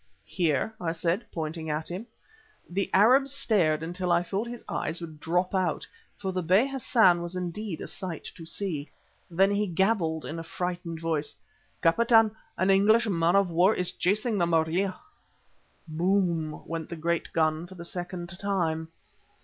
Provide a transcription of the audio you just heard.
"Here," I said, pointing at him. The Arab stared until I thought his eyes would drop out, for the Bey Hassan was indeed a sight to see. Then he gabbled in a frightened voice: "Captain, an English man of war is chasing the Maria." Boom went the great gun for the second time.